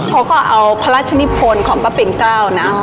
เขาก็เอาพระราชนิพนธ์ของพระปินกล้าวนะ